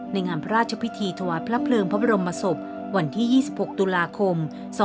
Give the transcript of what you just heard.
งามพระราชพิธีถวายพระเพลิงพระบรมศพวันที่๒๖ตุลาคม๒๕๖๒